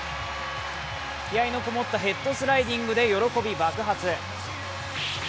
気合いのこもったヘッドスライディングで喜び爆発。